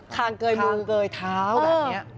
คางเกยมูเกยเท้าแบบนี้